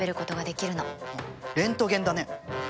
レントゲンだね！